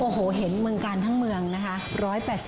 โอ้โหเห็นเมืองกาลทั้งเมืองนะคะ